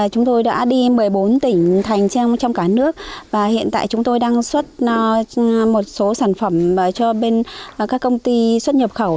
chúng tôi đã đi một mươi bốn tỉnh thành trong cả nước và hiện tại chúng tôi đang xuất một số sản phẩm cho các công ty xuất nhập khẩu